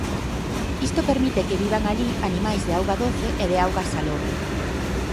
Isto permite que vivan alí animais de auga doce e de auga salobre.